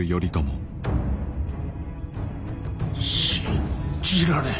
信じられん。